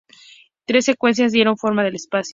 Tres secuencias dieron forma al espacio.